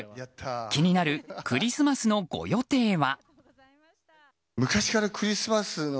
気になるクリスマスのご予定は？